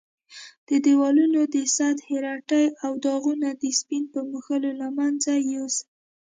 د دېوالونو د سطحې رټې او داغونه د سپین په مښلو له منځه یوسئ.